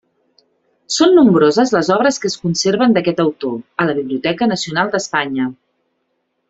Són nombroses les obres que es conserven d'aquest autor, a la Biblioteca Nacional d'Espanya.